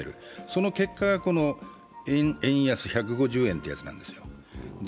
その結果がこの円安１５０円ってやつなんですよ。